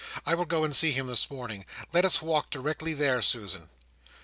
I will go and see him this morning. Let us walk there, directly, Susan."